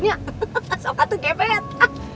nya soka tuh gebet